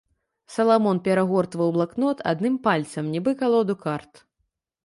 Саламон перагортваў блакнот адным пальцам, нібы калоду карт.